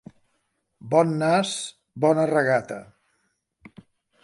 Bon nas, bona regata.